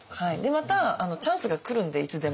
またチャンスが来るんでいつでも。